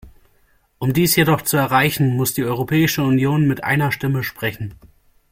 Um dies jedoch zu erreichen, muss die Europäische Union mit einer Stimme sprechen.